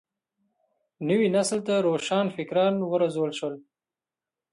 نوي نسل ته روښان فکران وروزل شول.